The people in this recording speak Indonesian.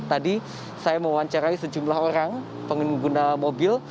tadi saya mewawancarai sejumlah orang pengguna mobil